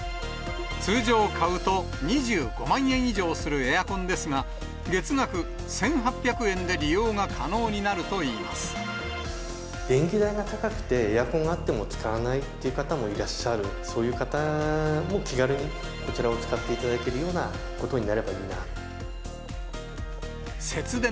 通常買うと２５万円以上するエアコンですが、月額１８００円で利電気代が高くて、エアコンがあっても使わないっていう方もいらっしゃる、そういう方も気軽に、こちらを使っていただけるようなことになればいいなって。